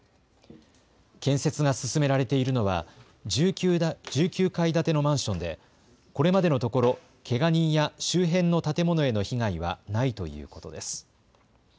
建設が進められているのは、１９階建てのマンションで、これまでのところ、けが人や周辺の建物への被害はないということです。